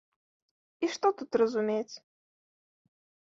І што тут разумець.